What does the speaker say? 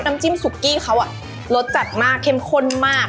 น้ำจิ้มซุกกี้เขารสจัดมากเข้มข้นมาก